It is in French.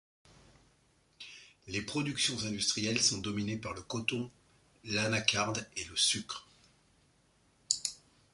Les productions industrielles sont dominées par le coton, l'anacarde et le sucre.